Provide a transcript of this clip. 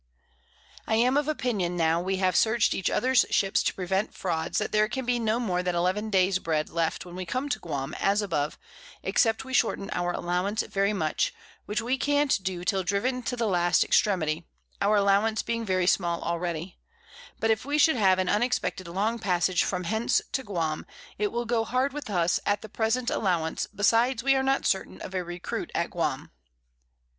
_I am of opinion now we have search'd each others Ships to prevent Frauds, that there can be no more than 11 Days Bread left when we come to_ Guam, _as above, except we shorten our Allowance very much, which we can't do till driven to the last Extremity, our Allowance being very small already; but if we should have an unexpected long Passage from hence to_ Guam, it will go hard with us at the present Allowance, besides we are not certain of a Recruit at Guam.